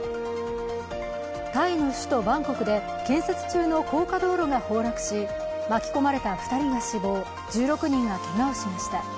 タイの首都バンコクで建設中の高架道路が崩落し巻き込まれた２人が死亡、１６人がけがをしました。